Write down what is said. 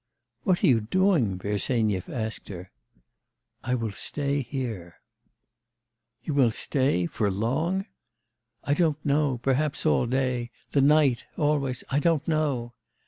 'What are you doing?' Bersenyev asked her. 'I will stay here.' 'You will stay for long?' 'I don't know, perhaps all day, the night, always I don't know.